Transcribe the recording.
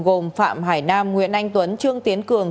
gồm phạm hải nam nguyễn anh tuấn trương tiến cường